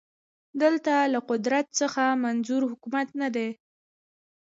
دلته له قدرت څخه منظور حکومت نه دی